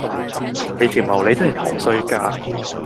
你條茂利真係陀衰家